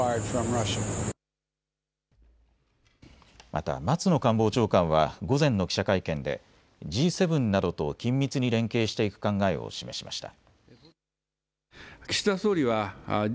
また松野官房長官は午前の記者会見でＧ７などと緊密に連携していく考えを示しました。